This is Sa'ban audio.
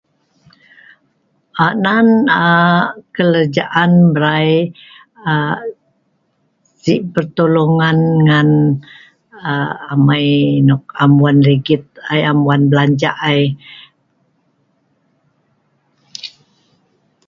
Aa nan aa kelajaan mrai aa si peltolongan ngan aa amai nok am wan ligit ai, am wan belanjah ai.